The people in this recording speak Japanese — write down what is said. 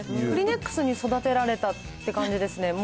クリネックスに育てられたって感じですね。